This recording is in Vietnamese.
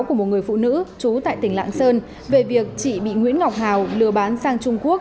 của một người phụ nữ chú tại tỉnh lạng sơn về việc chị bị nguyễn ngọc hào lừa bán sang trung quốc